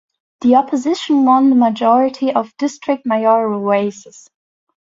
The opposition won the majority of district mayoral races.